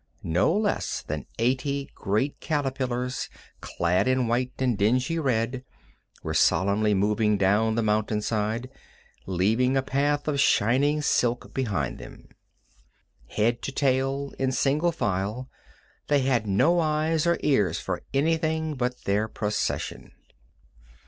No less than eighty great caterpillars clad in white and dingy red were solemnly moving down the mountainside, leaving a path of shining silk behind them. Head to tail, in single file, they had no eyes or ears for anything but their procession.